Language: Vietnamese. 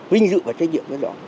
vinh dự và trách nhiệm rất rõ